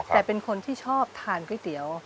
แต่เป็นคนที่ชอบทานก๋วยเตี๋ยว